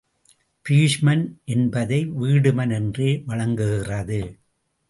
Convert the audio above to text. பீஷ்மன் என்பதை வீடுமன் என்றே வழங்குகிறது.